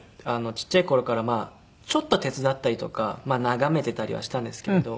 ちっちゃい頃からちょっと手伝ったりとか眺めていたりはしたんですけれど。